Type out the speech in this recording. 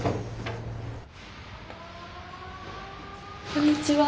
こんにちは。